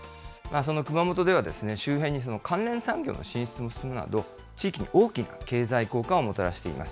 その熊本では、周辺に関連産業の進出も進むなど、地域に大きな経済効果をもたらしています。